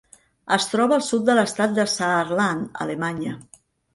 Es troba al sud de l'estat de Saarland, Alemanya.